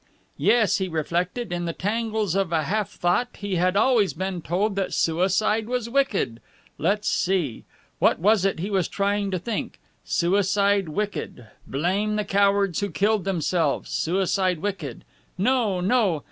Yes, he reflected, in the tangles of a half thought, he had always been told that suicide was wicked. Let's see. What was it he was trying to think suicide wicked blame the cowards who killed themselves suicide wicked No, no!